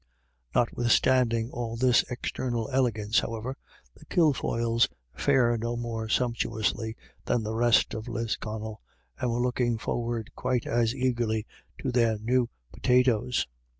Notwithstanding all this external elegance, however, the Kilfoyles fare no more sumptuously than the rest of Lisconnel, and were looking forward quite as eagerly to their new potatoes.